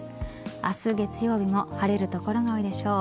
明日、月曜日も晴れる所が多いでしょう。